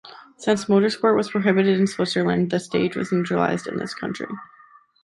Since motor sport was prohibited in Switzerland, the stage was neutralized in this country.